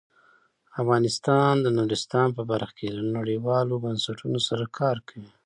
افغانستان د نورستان په برخه کې له نړیوالو بنسټونو سره کار کوي.